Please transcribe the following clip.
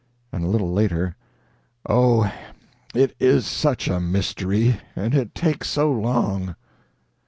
And a little later: "Oh, it is such a mystery, and it takes so long!"